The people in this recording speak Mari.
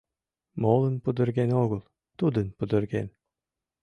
Молын пудырген огыл, тудын пудырген.